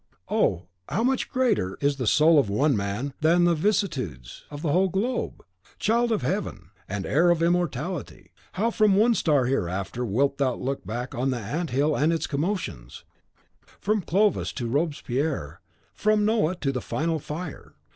Oh, how much greater is the soul of one man than the vicissitudes of the whole globe! Child of heaven, and heir of immortality, how from some star hereafter wilt thou look back on the ant hill and its commotions, from Clovis to Robespierre, from Noah to the Final Fire.